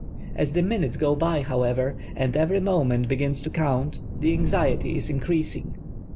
As the minutes go by, however, and every moment begins to count, the anxiety is increasing.